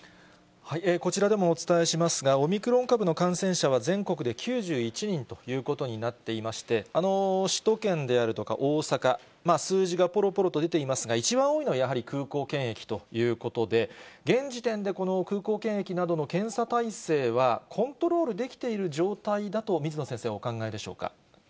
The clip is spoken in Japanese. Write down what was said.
こちらでもお伝えしますが、オミクロン株の感染者は全国で９１人ということになっていまして、首都圏であるとか、大阪、数字がぽろぽろと出ていますが、一番多いのは、やはり空港検疫ということで、現時点でこの空港検疫などの検査体制は、コントロールできている状態だと、水野先生、お考えでしょうか。